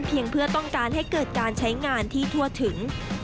เพื่อต้องการให้เกิดการใช้งานที่ทั่วถึง